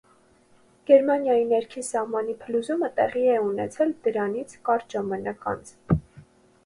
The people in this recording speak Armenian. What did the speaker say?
Գերմանիայի ներքին սահմանի փլուզումը տեղի է ունեցել դրանից կարճ ժամանակ անց։